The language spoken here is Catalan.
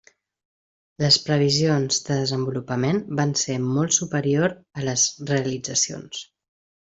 Les previsions de desenvolupament van ser molt superior a les realitzacions.